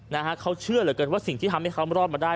นะฮะเขาเชื่อเหลือเกินว่าสิ่งที่ทำให้เขารอดมาได้